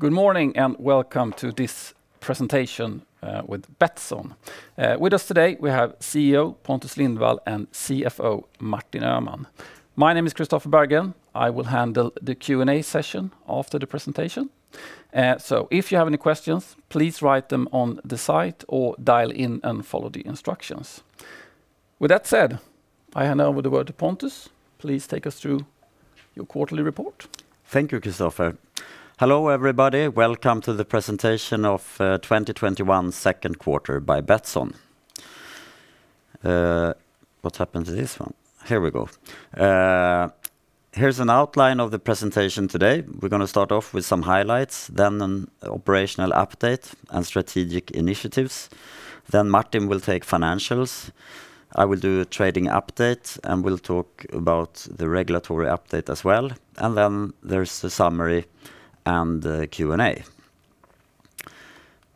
Good morning, welcome to this presentation with Betsson. With us today, we have CEO Pontus Lindwall and CFO Martin Öhman. My name is Kristoffer Bergen. I will handle the Q&A session after the presentation. If you have any questions, please write them on the site or dial in and follow the instructions. With that said, I hand over the word to Pontus. Please take us through your quarterly report. Thank you, Kristoffer. Hello, everybody. Welcome to the presentation of 2021 second quarter by Betsson. What happened to this one? Here we go. Here's an outline of the presentation today. We're going to start off with some highlights, then an operational update and strategic initiatives. Martin will take financials. I will do a trading update, and we'll talk about the regulatory update as well. There's the summary and the Q&A.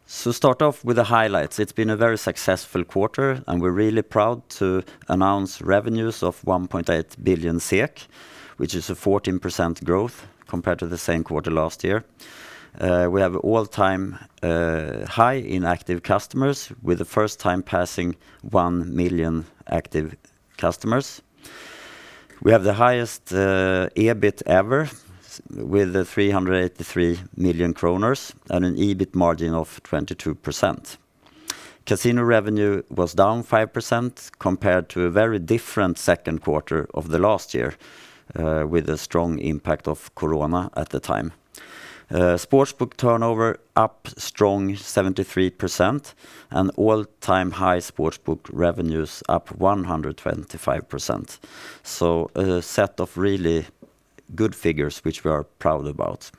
Start off with the highlights. It's been a very successful quarter, and we're really proud to announce revenues of 1.8 billion SEK, which is a 14% growth compared to the same quarter last year. We have all-time high in active customers, with the first time passing 1 million active customers. We have the highest EBIT ever with 383 million kronor and an EBIT margin of 22%. Casino revenue was down 5% compared to a very different second quarter of the last year with the strong impact of corona at the time. Sportsbook turnover up strong 73% and all-time high sportsbook revenues up 125%. A set of really good figures, which we are proud about.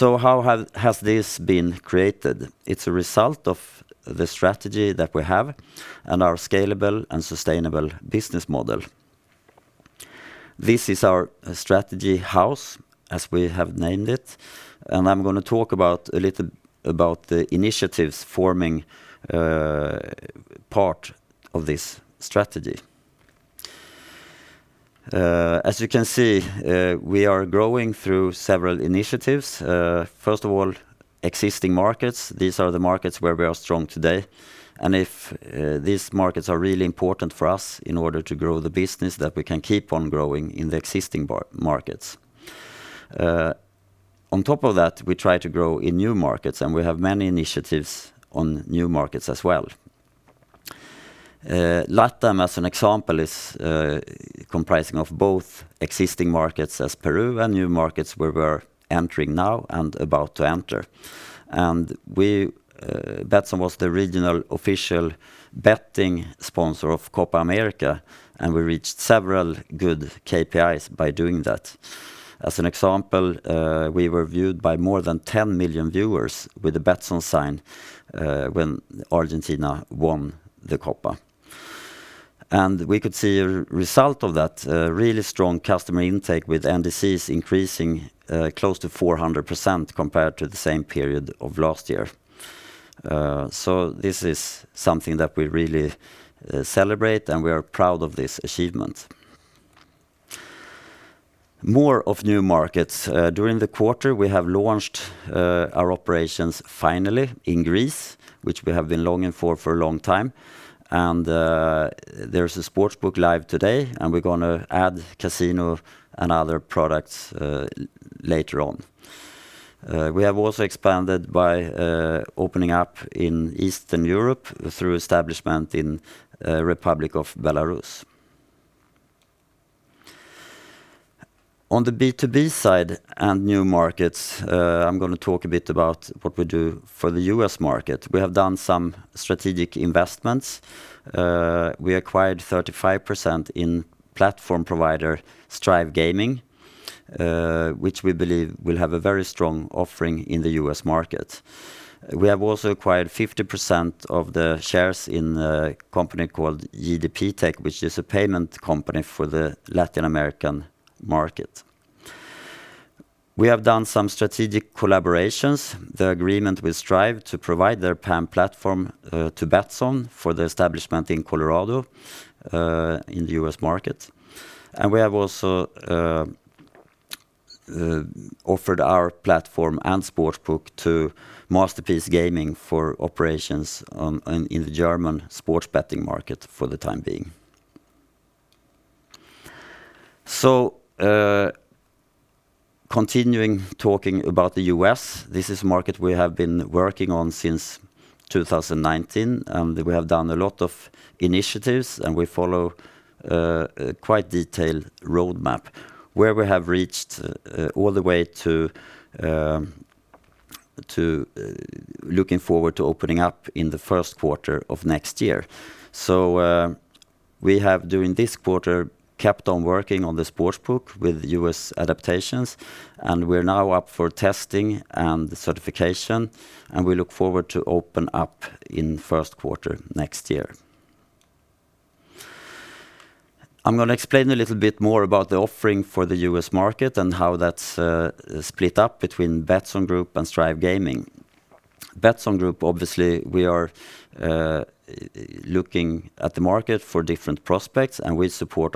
How has this been created? It's a result of the strategy that we have and our scalable and sustainable business model. This is our strategy house, as we have named it, and I'm going to talk a little about the initiatives forming part of this strategy. As you can see, we are growing through several initiatives. First of all, existing markets. These are the markets where we are strong today, and these markets are really important for us in order to grow the business that we can keep on growing in the existing markets. On top of that, we try to grow in new markets, and we have many initiatives on new markets as well. LatAm, as an example, is comprising of both existing markets as Peru and new markets where we're entering now and about to enter. Betsson was the regional official betting sponsor of Copa América, and we reached several good KPIs by doing that. As an example, we were viewed by more than 10 million viewers with the Betsson sign when Argentina won the Copa. We could see a result of that, a really strong customer intake with NDCs increasing close to 400% compared to the same period of last year. This is something that we really celebrate, and we are proud of this achievement. More of new markets. During the quarter, we have launched our operations finally in Greece, which we have been longing for a long time. There's a sportsbook live today, and we're going to add casino and other products later on. We have also expanded by opening up in Eastern Europe through establishment in Republic of Belarus. On the B2B side and new markets, I'm going to talk a bit about what we do for the U.S. market. We have done some strategic investments. We acquired 35% in platform provider Strive Gaming, which we believe will have a very strong offering in the U.S. market. We have also acquired 50% of the shares in a company called JDP Tech, which is a payment company for the Latin American market. We have done some strategic collaborations, the agreement with Strive Gaming to provide their PAM platform to Betsson for the establishment in Colorado, in the U.S. market. We have also offered our platform and sportsbook to Masterpiece Gaming for operations in the German sports betting market for the time being. Continuing talking about the U.S., this is a market we have been working on since 2019, and we have done a lot of initiatives, and we follow a quite detailed roadmap where we have reached all the way to looking forward to opening up in the first quarter of next year. We have, during this quarter, kept on working on the sportsbook with U.S. adaptations, and we're now up for testing and certification, and we look forward to open up in first quarter next year. I'm going to explain a little bit more about the offering for the U.S. market and how that's split up between Betsson Group and Strive Gaming. Betsson Group, obviously, we are looking at the market for different prospects, and we supply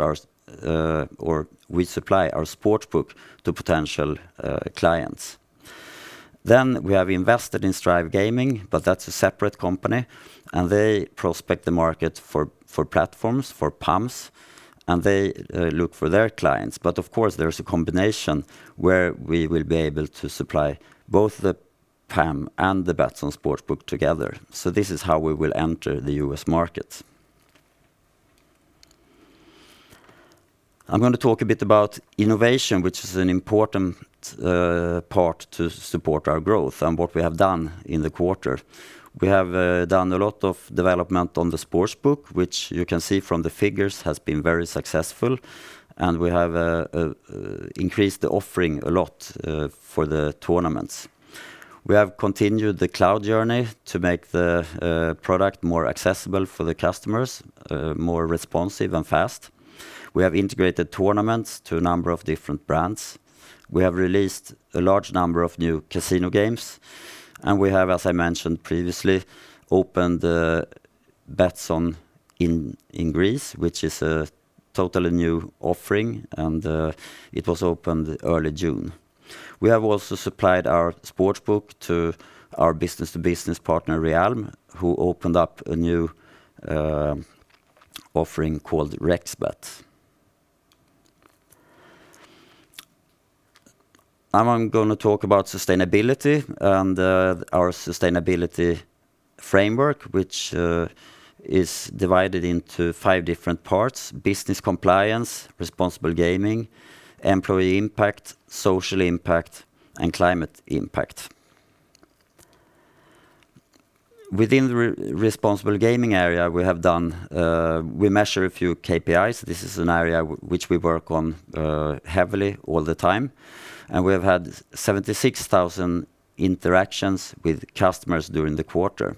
our sports book to potential clients. We have invested in Strive Gaming, but that's a separate company, and they prospect the market for platforms, for PAMs, and they look for their clients. Of course, there's a combination where we will be able to supply both the PAM and the Betsson sports book together. This is how we will enter the U.S. market. I'm going to talk a bit about innovation, which is an important part to support our growth and what we have done in the quarter. We have done a lot of development on the sports book, which you can see from the figures has been very successful, and we have increased the offering a lot for the tournaments. We have continued the cloud journey to make the product more accessible for the customers, more responsive and fast. We have integrated tournaments to a number of different brands. We have released a large number of new casino games, and we have, as I mentioned previously, opened Betsson in Greece, which is a totally new offering, and it was opened early June. We have also supplied our sports book to our business-to-business partner Realm, who opened up a new offering called Rexbet. I'm going to talk about sustainability and our sustainability framework, which is divided into five different parts: business compliance, responsible gaming, employee impact, social impact, and climate impact. Within the responsible gaming area, we measure a few KPIs. This is an area which we work on heavily all the time. We have had 76,000 interactions with customers during the quarter.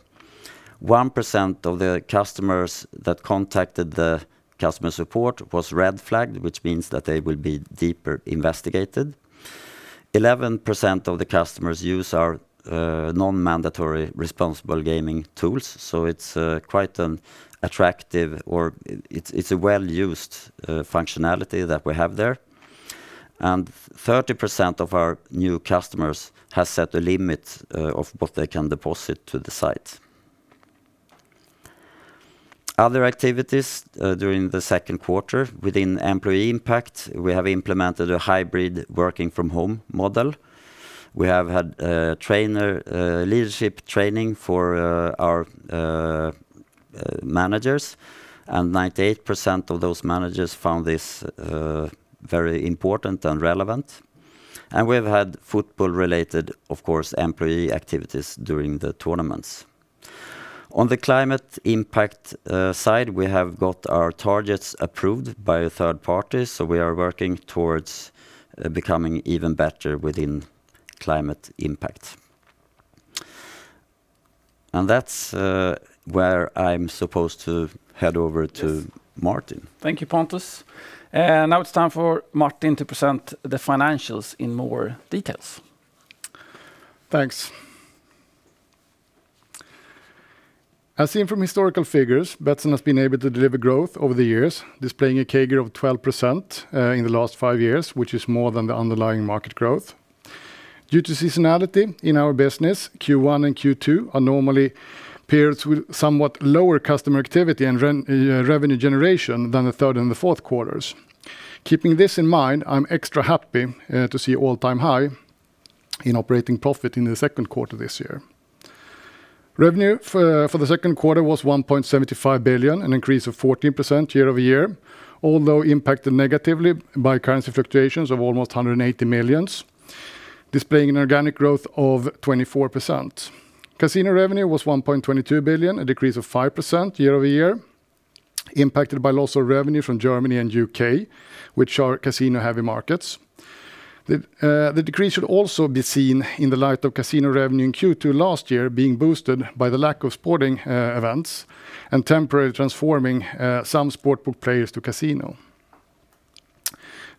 1% of the customers that contacted the customer support was red-flagged, which means that they will be deeper investigated. 11% of the customers use our non-mandatory responsible gaming tools, so it's quite an attractive or it's a well-used functionality that we have there. 30% of our new customers have set a limit of what they can deposit to the site. Other activities during the second quarter within employee impact, we have implemented a hybrid working from home model. We have had leadership training for our managers, and 98% of those managers found this very important and relevant. We've had football-related, of course, employee activities during the tournaments. On the climate impact side, we have got our targets approved by a third party. We are working towards becoming even better within climate impact. That's where I'm supposed to hand over to Martin. Thank you, Pontus. Now it's time for Martin to present the financials in more details. Thanks. As seen from historical figures, Betsson has been able to deliver growth over the years, displaying a CAGR of 12% in the last five years, which is more than the underlying market growth. Due to seasonality in our business, Q1 and Q2 are normally periods with somewhat lower customer activity and revenue generation than the third and the fourth quarters. Keeping this in mind, I'm extra happy to see all-time high in operating profit in the second quarter this year. Revenue for the second quarter was 1.75 billion, an increase of 14% year-over-year, although impacted negatively by currency fluctuations of almost 180 million, displaying an organic growth of 24%. Casino revenue was 1.22 billion, a decrease of 5% year-over-year, impacted by loss of revenue from Germany and U.K., which are casino-heavy markets. The decrease should also be seen in the light of casino revenue in Q2 last year being boosted by the lack of sporting events and temporarily transforming some sports book players to casino.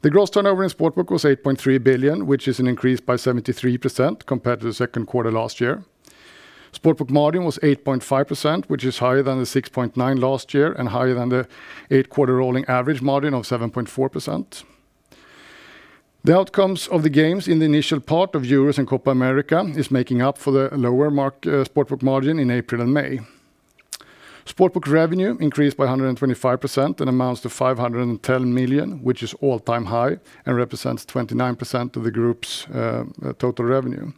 The gross turnover in sports book was 8.3 billion, which is an increase by 73% compared to the second quarter last year. Sports book margin was 8.5%, which is higher than the 6.9% last year and higher than the 8-quarter rolling average margin of 7.4%. The outcomes of the games in the initial part of Euros and Copa América is making up for the lower sports book margin in April and May. Sports book revenue increased by 125% and amounts to 510 million, which is all-time high and represents 29% of the Group's total revenue.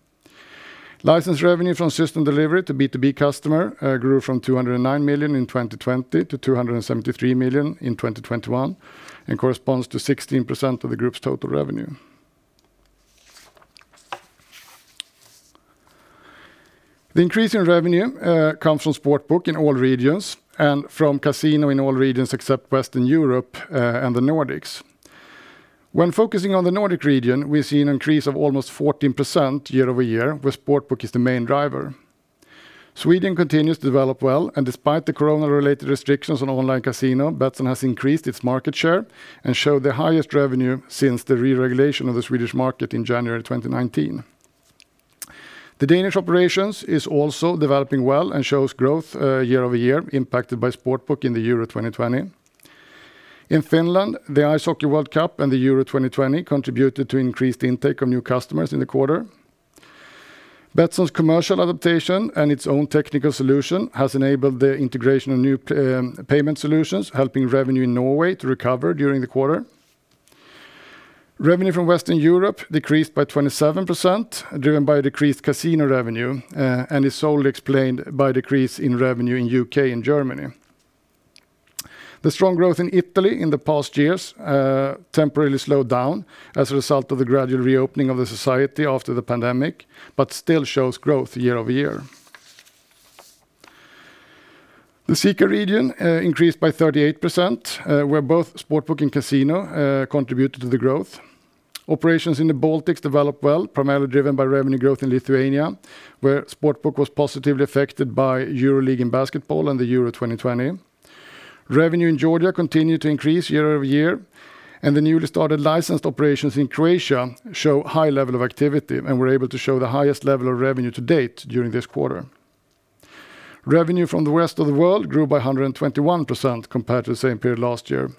License revenue from system delivery to B2B customer grew from 209 million in 2020 to 273 million in 2021 and corresponds to 16% of the group's total revenue. The increase in revenue comes from sports book in all regions and from casino in all regions except Western Europe and the Nordics. When focusing on the Nordic region, we see an increase of almost 14% year-over-year, with sports book as the main driver. Sweden continues to develop well, and despite the corona-related restrictions on online casino, Betsson has increased its market share and showed the highest revenue since the re-regulation of the Swedish market in January 2019. The Danish operations is also developing well and shows growth year-over-year impacted by sports book in the Euro 2020. In Finland, the Ice Hockey World Championship and the Euro 2020 contributed to increased intake of new customers in the quarter. Betsson's commercial adaptation and its own technical solution has enabled the integration of new payment solutions, helping revenue in Norway to recover during the quarter. Revenue from Western Europe decreased by 27%, driven by decreased casino revenue, and is solely explained by decrease in revenue in U.K. and Germany. The strong growth in Italy in the past years temporarily slowed down as a result of the gradual reopening of the society after the pandemic, but still shows growth year-over-year. The CEECA region increased by 38%, where both sportsbook and casino contributed to the growth. Operations in the Baltics developed well, primarily driven by revenue growth in Lithuania, where sportsbook was positively affected by EuroLeague in basketball and the Euro 2020. Revenue in Georgia continued to increase year-over-year, the newly started licensed operations in Croatia show high level of activity and were able to show the highest level of revenue to date during this quarter. Revenue from the rest of the world grew by 121% compared to the same period last year,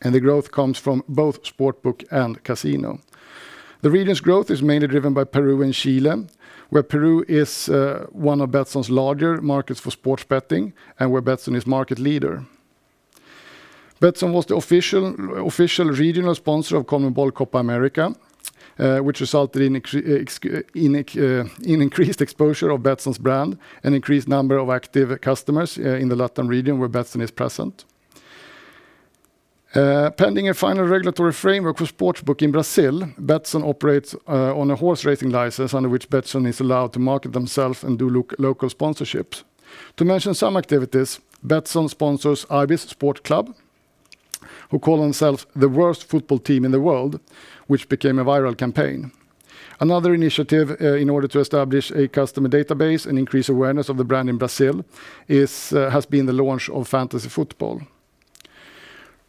the growth comes from both sports book and casino. The region's growth is mainly driven by Peru and Chile, where Peru is one of Betsson's larger markets for sports betting and Betsson is market leader. Betsson was the official regional sponsor of CONMEBOL Copa América, which resulted in increased exposure of Betsson's brand and increased number of active customers in the LATAM region where Betsson is present. Pending a final regulatory framework for sportsbook in Brazil, Betsson operates on a horse racing license under which Betsson is allowed to market themselves and do local sponsorships. To mention some activities, Betsson sponsors Íbis Sport Club, who call themselves the worst football team in the world, which became a viral campaign. Another initiative, in order to establish a customer database and increase awareness of the brand in Brazil, has been the launch of Fantasy Football.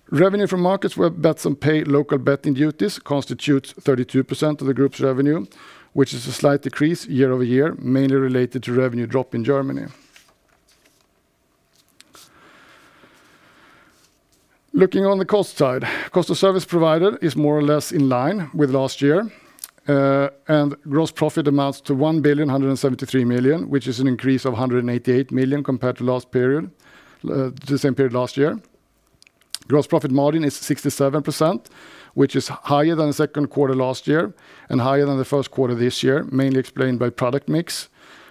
Revenue from markets where Betsson pay local betting duties constitutes 32% of the group's revenue, which is a slight decrease year-over-year, mainly related to revenue drop in Germany. Looking on the cost side. Cost of service provided is more or less in line with last year, and gross profit amounts to 1,173 million, which is an increase of 188 million compared to the same period last year. Gross profit margin is 67%, which is higher than the second quarter last year and higher than the first quarter this year, mainly explained by product mix,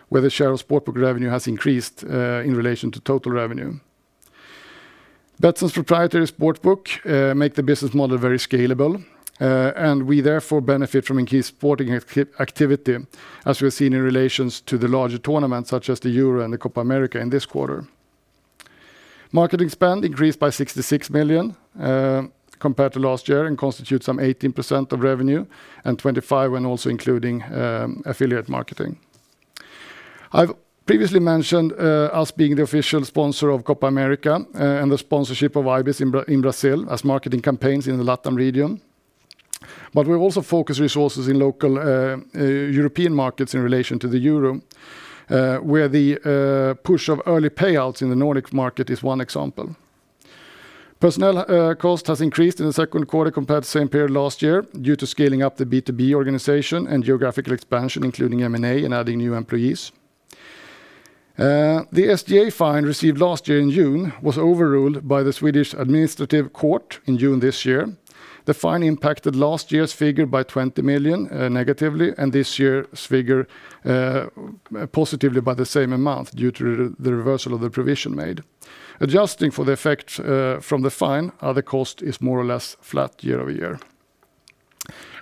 where the share of sportsbook revenue has increased, in relation to total revenue. Betsson's proprietary sportsbook make the business model very scalable, and we therefore benefit from increased sporting activity, as we have seen in relations to the larger tournaments such as the Euros and the Copa América in this quarter. Marketing spend increased by 66 million, compared to last year, and constitutes some 18% of revenue and 25% when also including affiliate marketing. I've previously mentioned us being the official sponsor of Copa América and the sponsorship of Íbis Sport Club in Brazil as marketing campaigns in the LatAm region. We've also focused resources in local European markets in relation to the Euro 2020, where the push of early payouts in the Nordic market is one example. Personnel cost has increased in the second quarter compared to same period last year due to scaling up the B2B organization and geographical expansion, including M&A and adding new employees. The SGA fine received last year in June was overruled by the Swedish Administrative Court in June this year. The fine impacted last year's figure by 20 million negatively and this year's figure positively by the same amount due to the reversal of the provision made. Adjusting for the effect from the fine, the cost is more or less flat year-over-year.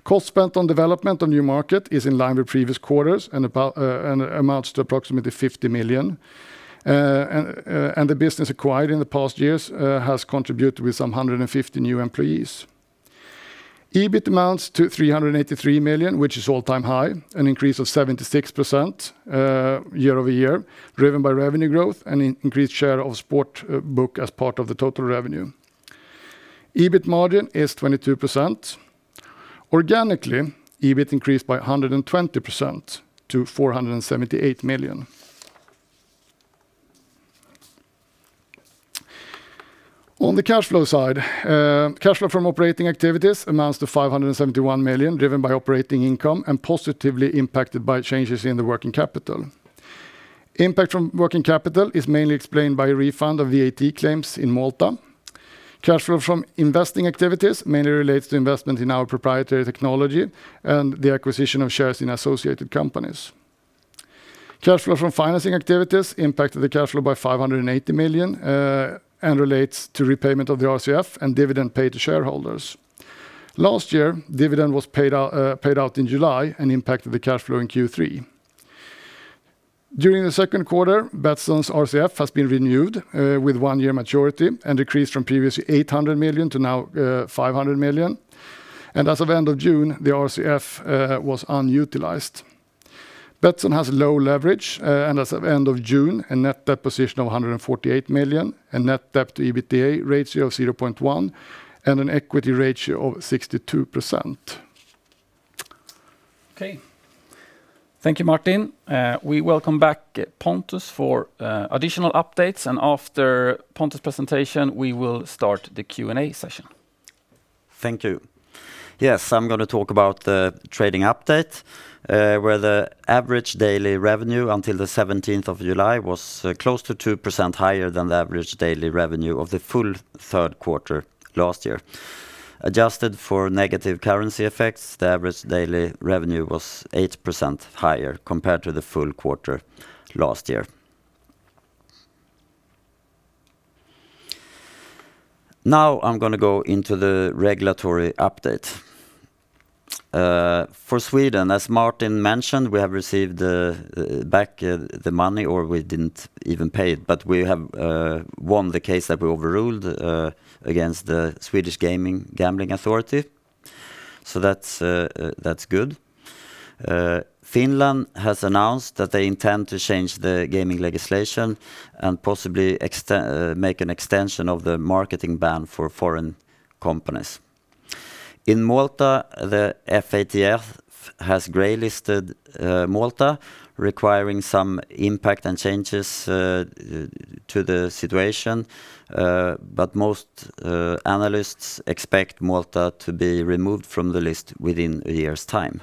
Cost spent on development on new market is in line with previous quarters and amounts to approximately 50 million, and the business acquired in the past years has contributed with some 150 new employees. EBIT amounts to 383 million, which is all-time high, an increase of 76% year-over-year, driven by revenue growth and increased share of sportsbook as part of the total revenue. EBIT margin is 22%. Organically, EBIT increased by 120% to SEK 478 million. On the cash flow side, cash flow from operating activities amounts to 571 million, driven by operating income and positively impacted by changes in the working capital. Impact from working capital is mainly explained by refund of VAT claims in Malta. Cash flow from investing activities mainly relates to investment in our proprietary technology and the acquisition of shares in associated companies. Cash flow from financing activities impacted the cash flow by 580 million, and relates to repayment of the RCF and dividend paid to shareholders. Last year, dividend was paid out in July and impacted the cash flow in Q3. During the second quarter, Betsson's RCF has been renewed, with one-year maturity and decreased from previous 800 million to now 500 million. As of end of June, the RCF was unutilized. Betsson has low leverage, and as of end of June, a net debt position of 148 million, a net debt to EBITDA ratio of 0.1x, and an equity ratio of 62%. Okay. Thank you, Martin. We welcome back Pontus for additional updates, and after Pontus' presentation, we will start the Q&A session. Thank you. Yes, I'm going to talk about the trading update, where the average daily revenue until the 17th of July was close to 2% higher than the average daily revenue of the full third quarter last year. Adjusted for negative currency effects, the average daily revenue was 8% higher compared to the full quarter last year. I'm going to go into the regulatory update. For Sweden, as Martin mentioned, we have received back the money, or we didn't even pay it, but we have won the case that we overruled against the Swedish Gambling Authority. That's good. Finland has announced that they intend to change the gaming legislation and possibly make an extension of the marketing ban for foreign companies. In Malta, the FATF has gray-listed Malta, requiring some impact and changes to the situation. Most analysts expect Malta to be removed from the list within a year's time.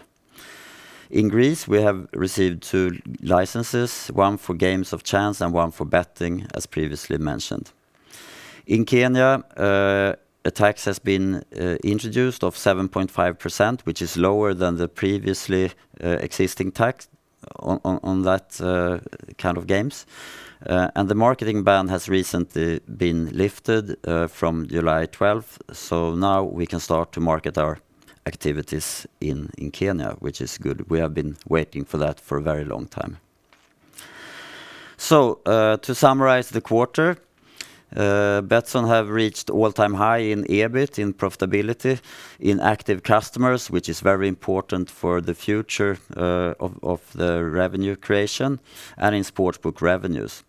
In Greece, we have received two licenses, one for games of chance and one for betting, as previously mentioned. In Kenya, a tax has been introduced of 7.5%, which is lower than the previously existing tax on that kind of games. The marketing ban has recently been lifted from July 12th. Now we can start to market our activities in Kenya, which is good. We have been waiting for that for a very long time. To summarize the quarter, Betsson have reached all-time high in EBIT, in profitability, in active customers, which is very important for the future of the revenue creation, and in sportsbook revenues.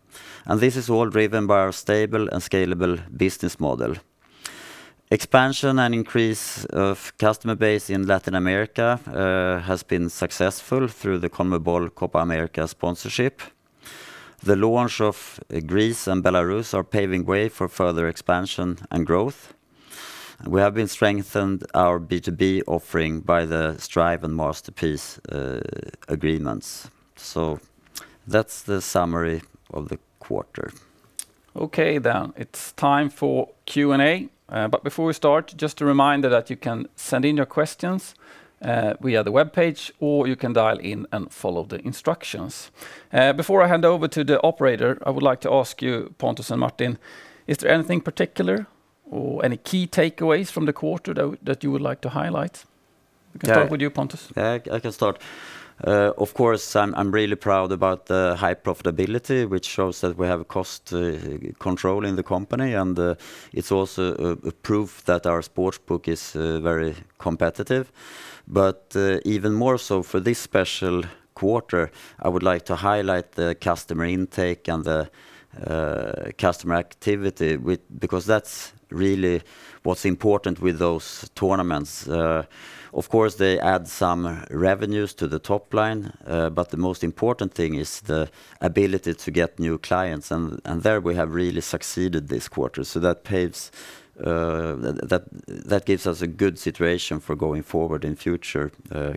This is all driven by our stable and scalable business model. Expansion and increase of customer base in Latin America has been successful through the CONMEBOL Copa América sponsorship. The launch of Greece and Belarus are paving way for further expansion and growth. We have been strengthened our B2B offering by the Strive and Masterpiece agreements. That's the summary of the quarter. Okay. It's time for Q&A. Before we start, just a reminder that you can send in your questions via the webpage, or you can dial in and follow the instructions. Before I hand over to the operator, I would like to ask you, Pontus and Martin, is there anything particular or any key takeaways from the quarter that you would like to highlight? We can start with you, Pontus. I can start. Of course, I'm really proud about the high profitability, which shows that we have cost control in the company, and it's also a proof that our sportsbook is very competitive. Even more so for this special quarter, I would like to highlight the customer intake and the customer activity, because that's really what's important with those tournaments. Of course, they add some revenues to the top line, but the most important thing is the ability to get new clients, and there we have really succeeded this quarter. That gives us a good situation for going forward in future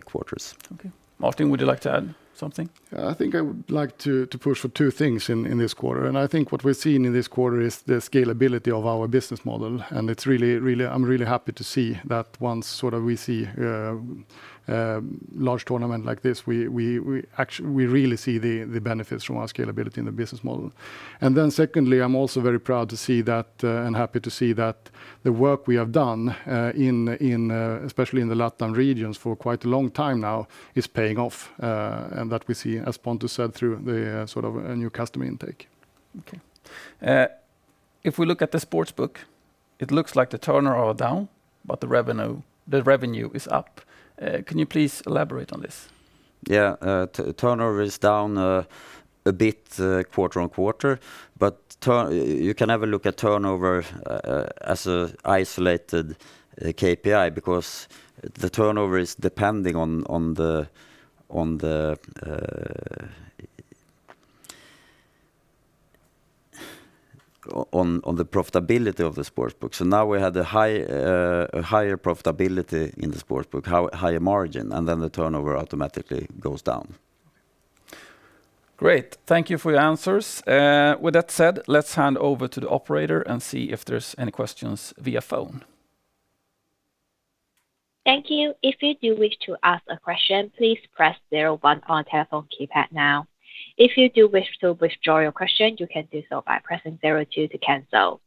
quarters. Okay. Martin, would you like to add something? Yeah, I think I would like to push for two things in this quarter. I think what we're seeing in this quarter is the scalability of our business model, and I'm really happy to see that once we see a large tournament like this, we really see the benefits from our scalability in the business model. Secondly, I'm also very proud to see that, and happy to see that the work we have done, especially in the Latin regions for quite a long time now, is paying off, and that we see, as Pontus said, through the new customer intake. Okay. If we look at the sportsbook, it looks like the turnover are down, but the revenue is up. Can you please elaborate on this? Yeah. Turnover is down a bit quarter on quarter, but you can never look at turnover as an isolated KPI because the turnover is depending on the profitability of the sportsbook. Now we have the higher profitability in the sportsbook, higher margin, and then the turnover automatically goes down. Great. Thank you for your answers. With that said, let's hand over to the operator and see if there's any questions via phone. Thank you. If you do wish to ask a question, please press zero one on telephone keypad now. If you do wish to withdraw your question, you can do so by pressing zero two to cancel.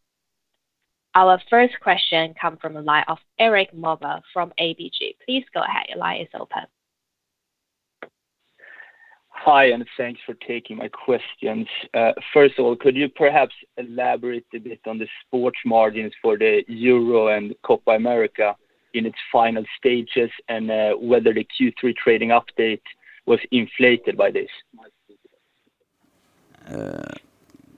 Our first question come from the line of Erik Moberg from ABG. Please go ahead, your line is open. Hi, and thanks for taking my questions. First of all, could you perhaps elaborate a bit on the sports margins for the Euro and Copa América in its final stages and whether the Q3 trading update was inflated by this?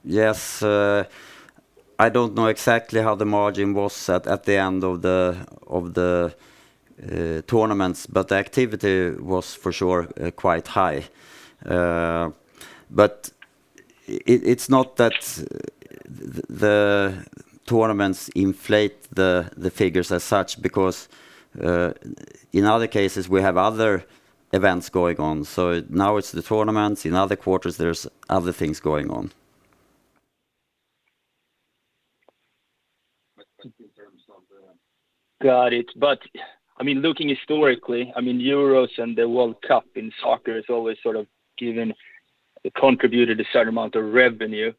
Yes. I don't know exactly how the margin was set at the end of the tournaments, but the activity was for sure quite high. It's not that the tournaments inflate the figures as such because in other cases, we have other events going on. Now it's the tournaments. In other quarters, there's other things going on. Got it. Looking historically, Euros and the World Cup in soccer has always sort of contributed a certain amount of revenue.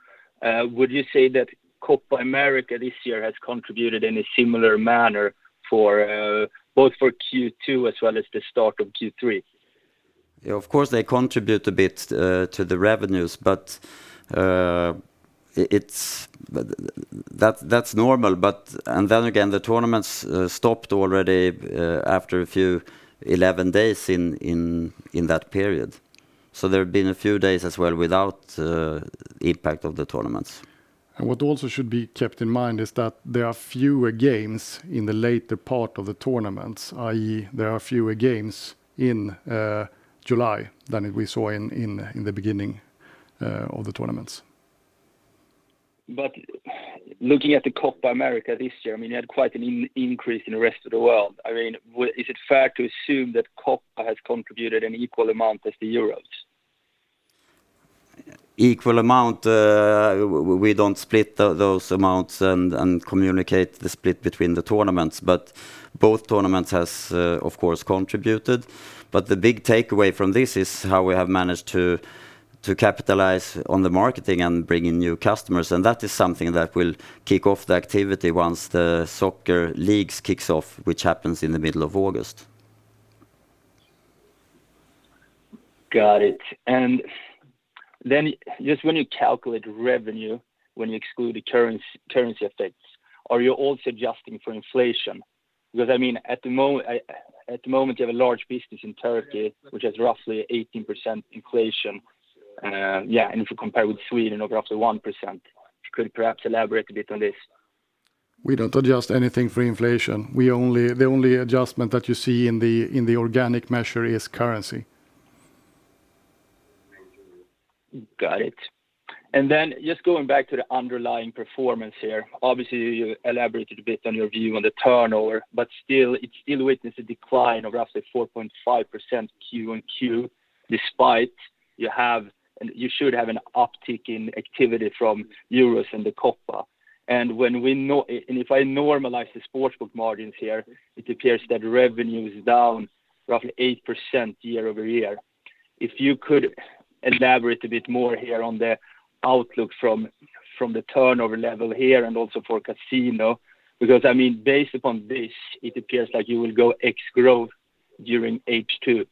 Would you say that Copa América this year has contributed in a similar manner both for Q2 as well as the start of Q3? Of course, they contribute a bit to the revenues, but that's normal. Then again, the tournaments stopped already after 11 days in that period. There have been a few days as well without the impact of the tournaments. What also should be kept in mind is that there are fewer games in the later part of the tournaments, i.e., there are fewer games in July than we saw in the beginning of the tournaments. Looking at the Copa América this year, you had quite an increase in the rest of the world. Is it fair to assume that Copa has contributed an equal amount as the Euros? Equal amount. We don't split those amounts and communicate the split between the tournaments. Both tournaments have, of course, contributed. The big takeaway from this is how we have managed to capitalize on the marketing and bring in new customers, and that is something that will kick off the activity once the soccer leagues kick off, which happens in the middle of August. Got it. Just when you calculate revenue, when you exclude the currency effects, are you also adjusting for inflation? Because at the moment, you have a large business in Turkey, which has roughly 18% inflation. If you compare with Sweden of roughly 1%. Could you perhaps elaborate a bit on this? We don't adjust anything for inflation. The only adjustment that you see in the organic measure is currency. Got it. Just going back to the underlying performance here. Obviously, you elaborated a bit on your view on the turnover, but still it witnessed a decline of roughly 4.5% QoQ, despite you should have an uptick in activity from Euros and the Copa. If I normalize the sportsbook margins here, it appears that revenue is down roughly 8% year-over-year. If you could elaborate a bit more here on the outlook from the turnover level here and also for casino, because based upon this, it appears like you will go X growth during H2.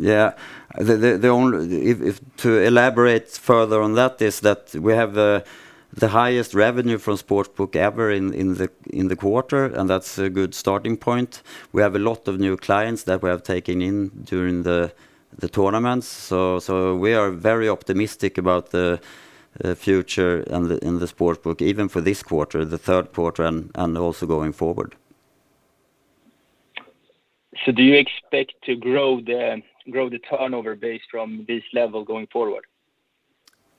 Yeah. To elaborate further on that is that we have the highest revenue from sports book ever in the quarter. That's a good starting point. We have a lot of new clients that we have taken in during the tournaments. We are very optimistic about the future in the sports book, even for this quarter, the third quarter, and also going forward. Do you expect to grow the turnover base from this level going forward?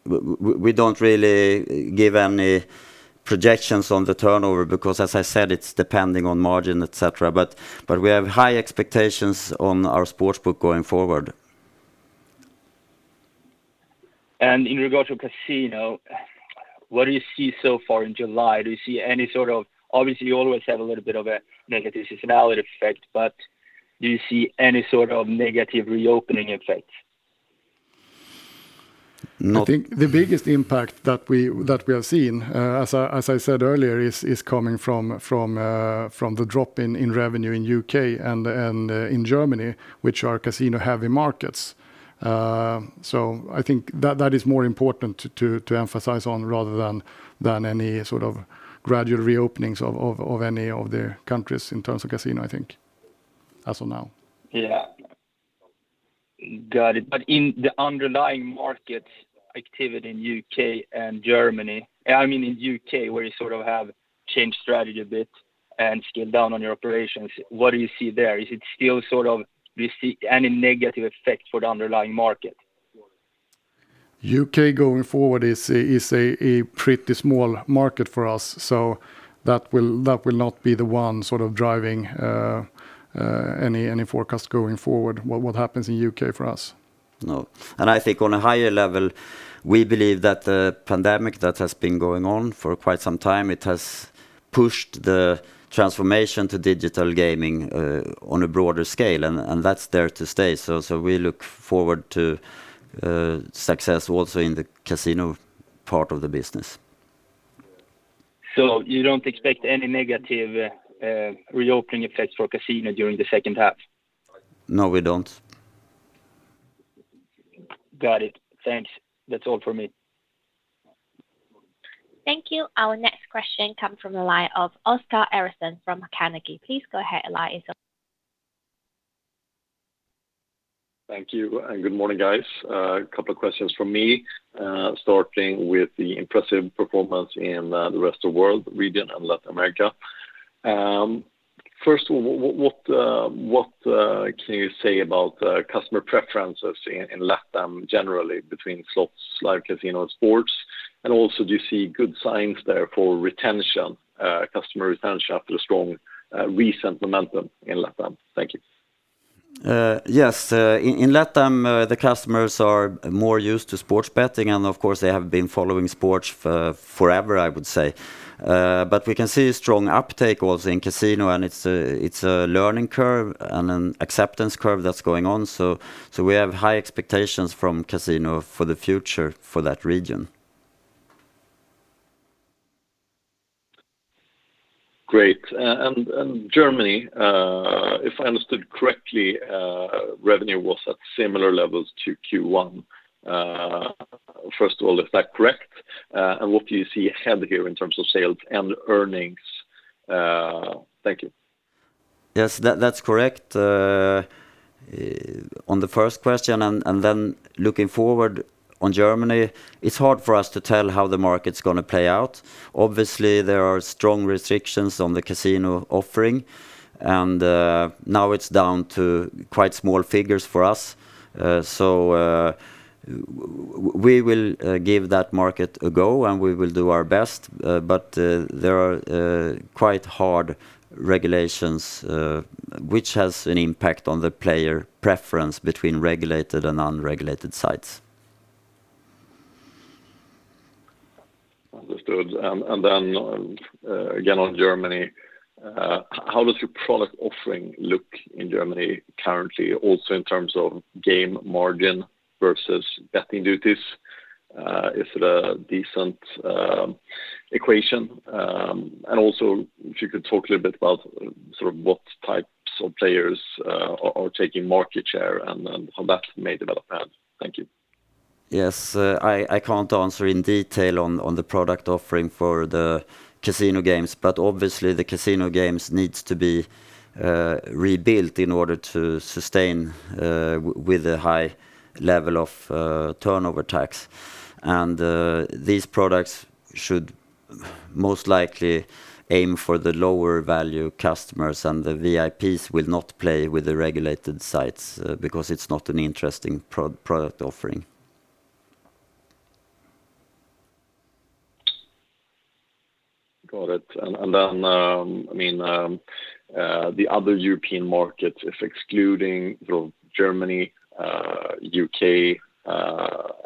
We don't really give any projections on the turnover because, as I said, it's depending on margin, et cetera. We have high expectations on our sports book going forward. In regard to casino, what do you see so far in July? Obviously, you always have a little bit of a negative seasonality effect, but do you see any sort of negative reopening effect? I think the biggest impact that we have seen, as I said earlier, is coming from the drop in revenue in U.K. and in Germany, which are casino-heavy markets. I think that is more important to emphasize on rather than any sort of gradual reopenings of any of the countries in terms of casino, I think as of now. Yeah. Got it. In the underlying markets activity in U.K. and Germany, in U.K. where you sort of have changed strategy a bit and scaled down on your operations, what do you see there? Do you see any negative effect for the underlying market? U.K. going forward is a pretty small market for us, so that will not be the one sort of driving any forecast going forward, what happens in U.K. for us. No. I think on a higher level, we believe that the pandemic that has been going on for quite some time, it has pushed the transformation to digital gaming on a broader scale, and that's there to stay. We look forward to success also in the casino part of the business. You don't expect any negative reopening effects for casino during the second half? No, we don't. Got it. Thanks. That's all from me. Thank you. Our next question comes from the line of Oscar Erixon from Carnegie. Please go ahead. Your line is open. Thank you, and good morning, guys. A couple of questions from me, starting with the impressive performance in the rest of world region and Latin America. First of all, what can you say about customer preferences in LatAm generally between slots like casino and sports? Also, do you see good signs there for customer retention after the strong recent momentum in LatAm? Thank you. Yes. In LatAm, the customers are more used to sports betting, and of course, they have been following sports for forever, I would say. We can see a strong uptake also in casino, and it's a learning curve and an acceptance curve that's going on. We have high expectations from casino for the future for that region. Great. Germany, if I understood correctly, revenue was at similar levels to Q1. First of all, is that correct? What do you see ahead here in terms of sales and earnings? Thank you. Yes, that's correct on the first question. Looking forward on Germany, it's hard for us to tell how the market's going to play out. Obviously, there are strong restrictions on the casino offering, and now it's down to quite small figures for us. We will give that market a go, and we will do our best. There are quite hard regulations, which has an impact on the player preference between regulated and unregulated sites. Understood. Then again on Germany, how does your product offering look in Germany currently, also in terms of game margin versus betting duties? Is it a decent equation? Also, if you could talk a little bit about what types of players are taking market share and then how that may develop. Thank you. Yes. I can't answer in detail on the product offering for the casino games, but obviously the casino games needs to be rebuilt in order to sustain with a high level of turnover tax. These products should most likely aim for the lower value customers, and the VIPs will not play with the regulated sites because it's not an interesting product offering. Got it. The other European markets, if excluding Germany, U.K.,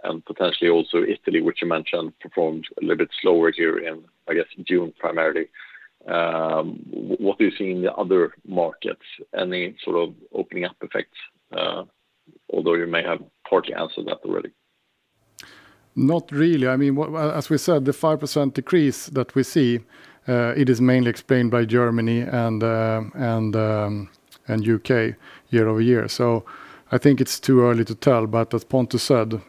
and potentially also Italy, which you mentioned performed a little bit slower here in, I guess, June primarily. What do you see in the other markets? Any sort of opening up effects, although you may have partly answered that already? Not really. As we said, the 5% decrease that we see, it is mainly explained by Germany and U.K. year-over-year. I think it's too early to tell, but as Pontus said,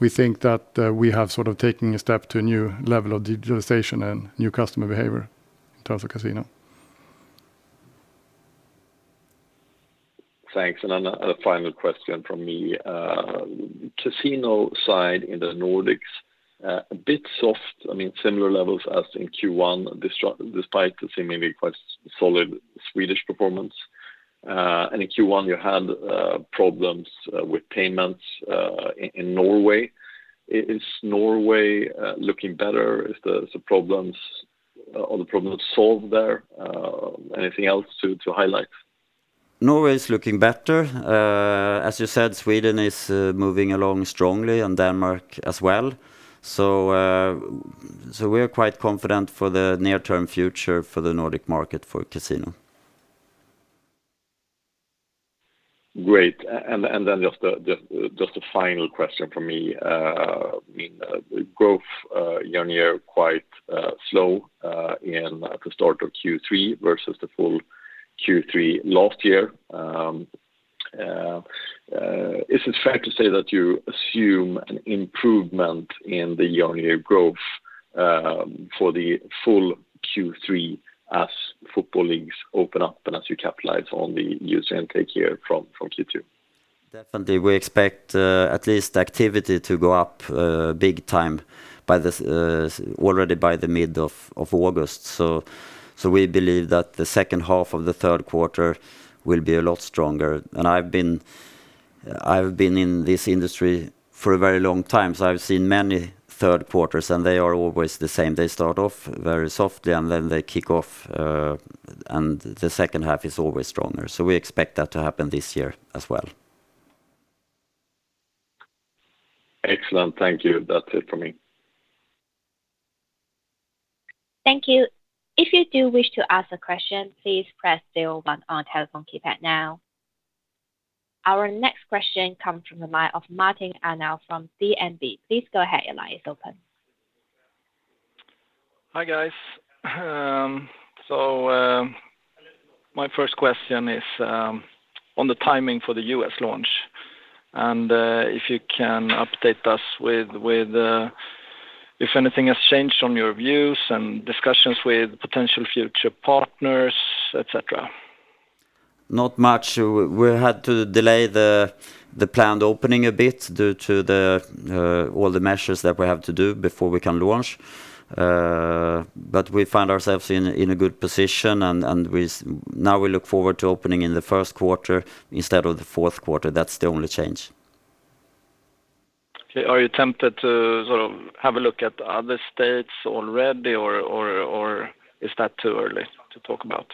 we think that we have sort of taken a step to a new level of digitalization and new customer behavior in terms of casino. Thanks. A final question from me. Casino side in the Nordics, a bit soft, similar levels as in Q1, despite seemingly quite solid Swedish performance. In Q1, you had problems with payments in Norway. Is Norway looking better? Are the problems solved there? Anything else to highlight? Norway is looking better. As you said, Sweden is moving along strongly and Denmark as well. We are quite confident for the near-term future for the Nordic market for casino. Great, then just a final question from me. Growth year-on-year quite slow at the start of Q3 versus the full Q3 last year. Is it fair to say that you assume an improvement in the year-on-year growth for the full Q3 as football leagues open up and as you capitalize on the new intake here from Q2? Definitely. We expect at least activity to go up big time already by the mid of August. We believe that the second half of the third quarter will be a lot stronger. I've been in this industry for a very long time, so I've seen many third quarters, and they are always the same. They start off very softly, and then they kick off, and the second half is always stronger. We expect that to happen this year as well. Excellent. Thank you. That's it from me. Thank you. If you do wish to ask a question please press zero one on your telephone keypad now. Our next question comes from the line of Martin Arnell from DNB. Please go ahead. Hi, guys. My first question is on the timing for the U.S. launch, if you can update us with if anything has changed on your views and discussions with potential future partners, et cetera. Not much. We had to delay the planned opening a bit due to all the measures that we have to do before we can launch. We find ourselves in a good position, and now we look forward to opening in the first quarter instead of the fourth quarter. That's the only change. Okay. Are you tempted to have a look at other states already, or is that too early to talk about?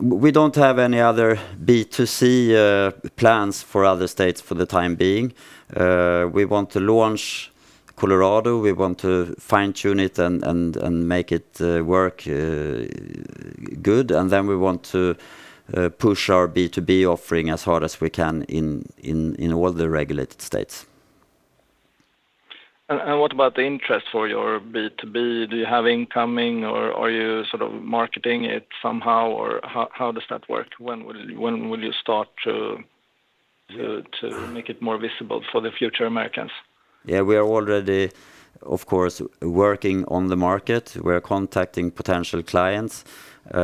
We don't have any other B2C plans for other states for the time being. We want to launch Colorado. We want to fine-tune it and make it work good, and then we want to push our B2B offering as hard as we can in all the regulated states. What about the interest for your B2B? Do you have incoming, or are you marketing it somehow? How does that work? When will you start to make it more visible for the future Americans? Yeah, we are already, of course, working on the market. We're contacting potential clients. We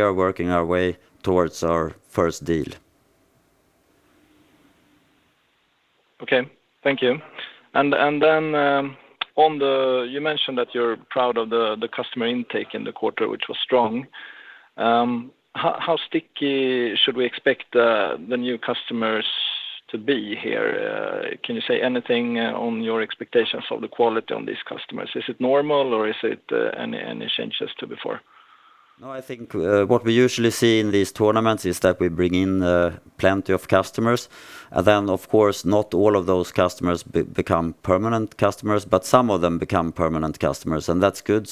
are working our way towards our first deal. Okay. Thank you. Then you mentioned that you're proud of the customer intake in the quarter, which was strong. How sticky should we expect the new customers to be here? Can you say anything on your expectations of the quality on these customers? Is it normal, or is it any changes to before? I think what we usually see in these tournaments is that we bring in plenty of customers. Of course, not all of those customers become permanent customers, but some of them become permanent customers, and that's good.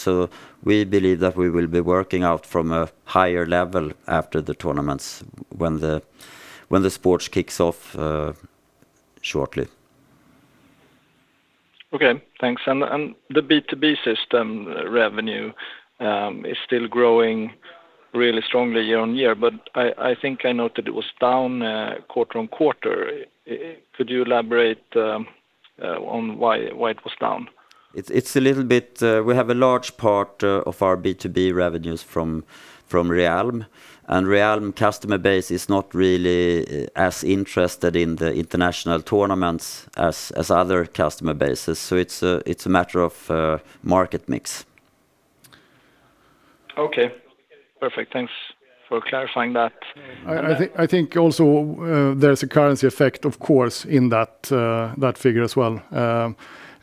We believe that we will be working out from a higher level after the tournaments when the sports kicks off shortly. Okay, thanks. The B2B system revenue is still growing really strongly year-on-year, but I think I noted it was down quarter-on-quarter. Could you elaborate on why it was down? We have a large part of our B2B revenues from Realm, and Realm customer base is not really as interested in the international tournaments as other customer bases. It's a matter of market mix. Okay. Perfect. Thanks for clarifying that. I think also there's a currency effect, of course, in that figure as well.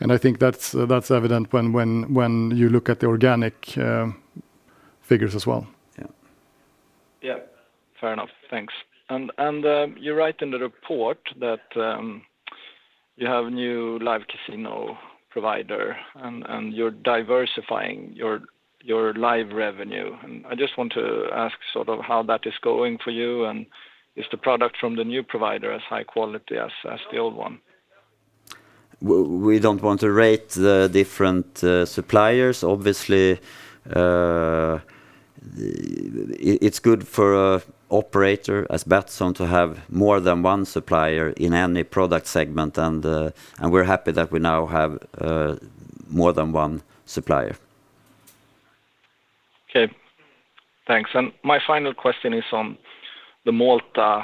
I think that's evident when you look at the organic figures as well. Yeah. Yeah. Fair enough. Thanks. You write in the report that you have a new live casino provider, and you're diversifying your live revenue. I just want to ask how that is going for you, and is the product from the new provider as high quality as the old one? We don't want to rate the different suppliers. Obviously, it's good for an operator as Betsson to have more than one supplier in any product segment, and we're happy that we now have more than one supplier. Okay. Thanks. My final question is on the Malta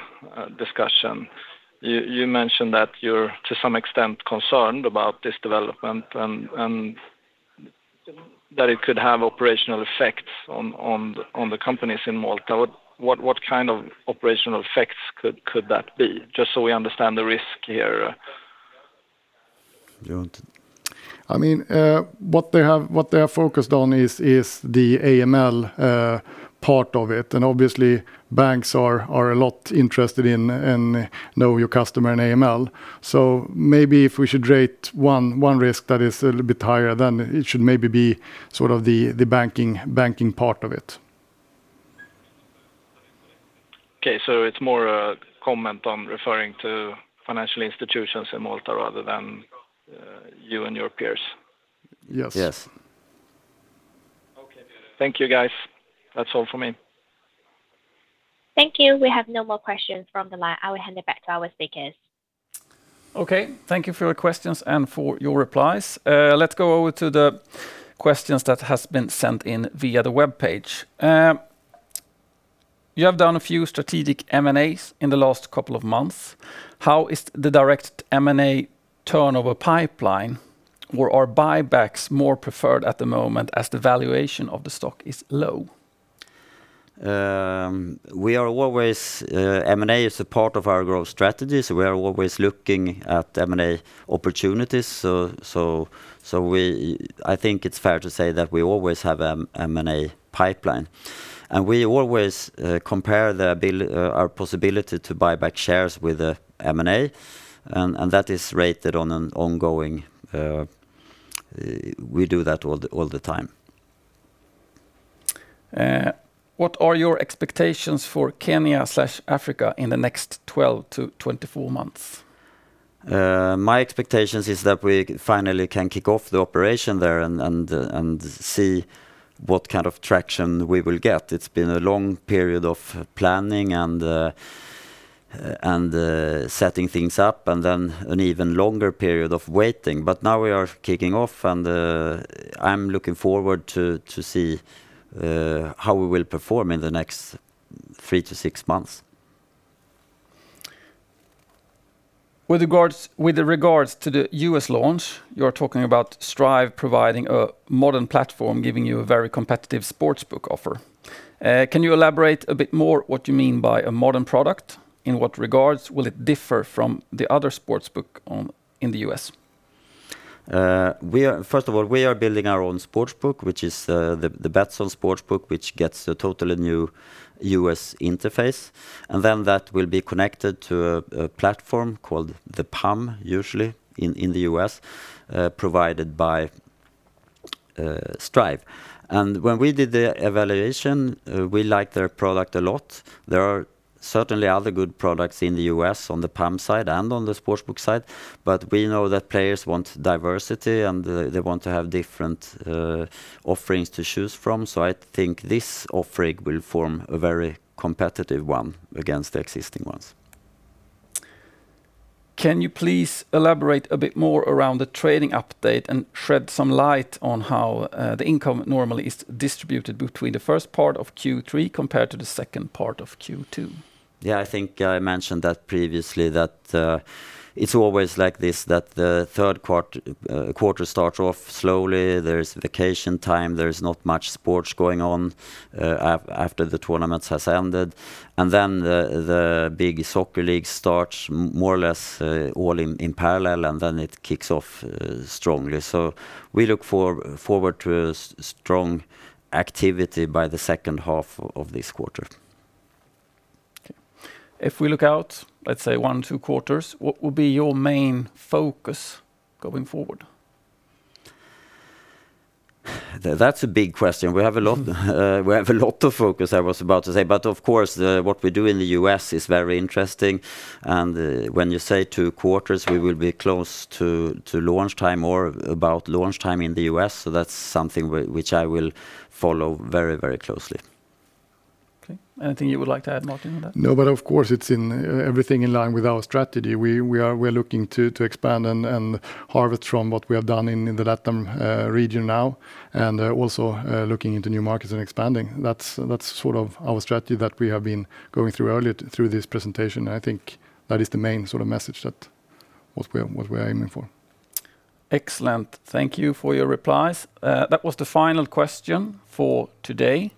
discussion. You mentioned that you're, to some extent, concerned about this development, and that it could have operational effects on the companies in Malta. What kind of operational effects could that be? Just so we understand the risk here. Do you want to? I mean, what they are focused on is the AML part of it, and obviously banks are a lot interested in know your customer and AML. Maybe if we should rate one risk that is a little bit higher, then it should maybe be the banking part of it. Okay. It's more a comment on referring to financial institutions in Malta rather than you and your peers. Yes. Yes. Okay. Thank you, guys. That's all for me. Thank you. We have no more questions from the line. I will hand it back to our speakers. Okay. Thank you for your questions and for your replies. Let's go over to the questions that have been sent in via the webpage. You have done a few strategic M&As in the last couple of months. How is the direct M&A turnover pipeline? Are buybacks more preferred at the moment as the valuation of the stock is low? M&A is a part of our growth strategy. We are always looking at M&A opportunities. I think it's fair to say that we always have an M&A pipeline. We always compare our possibility to buy back shares with M&A. We do that all the time. What are your expectations for Kenya/Africa in the next 12-24 months? My expectations is that we finally can kick off the operation there and see what kind of traction we will get. It's been a long period of planning and setting things up, and then an even longer period of waiting. Now we are kicking off, and I'm looking forward to see how we will perform in the next three to six months. With the regards to the U.S. launch, you're talking about Strive providing a modern platform, giving you a very competitive sportsbook offer. Can you elaborate a bit more what you mean by a modern product? In what regards will it differ from the other sportsbook in the U.S.? First of all, we are building our own sportsbook, which is the Betsson sportsbook, which gets a totally new U.S. interface. That will be connected to a platform called the PAM, usually in the U.S., provided by Strive. When we did the evaluation, we liked their product a lot. There are certainly other good products in the U.S. on the PAM side and on the sportsbook side, but we know that players want diversity and they want to have different offerings to choose from. I think this offering will form a very competitive one against the existing ones. Can you please elaborate a bit more around the trading update and shed some light on how the income normally is distributed between the first part of Q3 compared to the second part of Q2? Yeah, I think I mentioned that previously, that it's always like this, that the third quarter starts off slowly. There's vacation time. There's not much sports going on after the tournaments have ended. Then the big soccer league starts more or less all in parallel, and then it kicks off strongly. We look forward to strong activity by the second half of this quarter. Okay. If we look out, let's say, 1, 2 quarters, what will be your main focus going forward? That's a big question. We have a lot of focus, I was about to say. Of course, what we do in the U.S. is very interesting, and when you say two quarters, we will be close to launch time or about launch time in the U.S. That's something which I will follow very closely. Okay. Anything you would like to add, Martin, on that? Of course, it's everything in line with our strategy. We're looking to expand and harvest from what we have done in the LatAm region now, and also looking into new markets and expanding. That's our strategy that we have been going through earlier through this presentation, and I think that is the main message that what we're aiming for. Excellent. Thank you for your replies. That was the final question for today.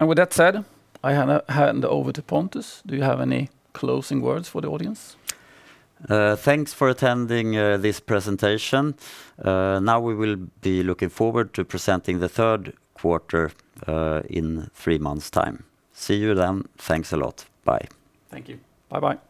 With that said, I hand over to Pontus. Do you have any closing words for the audience? Thanks for attending this presentation. We will be looking forward to presenting the third quarter in three months' time. See you then. Thanks a lot. Bye. Thank you. Bye. Bye.